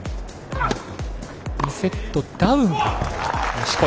２セットダウン、錦織。